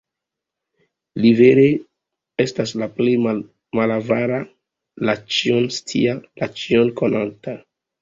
Li, vere, estas la Plej Malavara, la Ĉion-Scia, la Ĉion-Konanta.